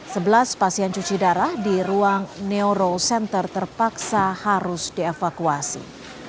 sebelas pasien cuci darah di ruang neuro center terpaksa harus dievakuasi